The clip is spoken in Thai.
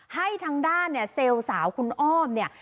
ให้ทางด้านเนี่ยเซลล์สาวคุณอ้อมเนี่ย